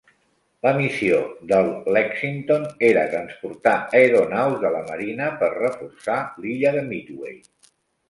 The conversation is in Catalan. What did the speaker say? La missió del Lexington era transportar aeronaus de la Marina per reforçar l'illa de Midway.